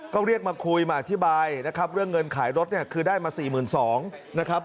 ก็เรียกมาคุยมาอธิบายนะครับเรื่องเงินขายรถเนี่ยคือได้มา๔๒๐๐นะครับ